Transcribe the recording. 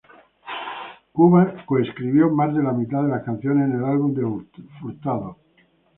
Cuba coescribió más de la mitad de las canciones en el álbum de Furtado.